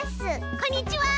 こんにちは！